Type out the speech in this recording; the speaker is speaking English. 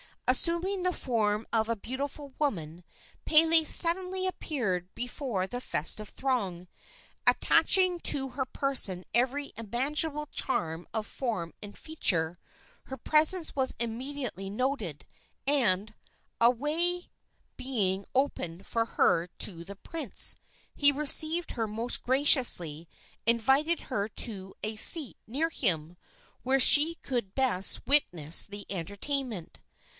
Assuming the form of a beautiful woman, Pele suddenly appeared before the festive throng. Attaching to her person every imaginable charm of form and feature, her presence was immediately noted; and, a way being opened for her to the prince, he received her most graciously and invited her to a seat near him, where she could best witness the entertainment.